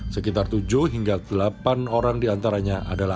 sekitar tujuh hingga delapan orang diantaranya adalah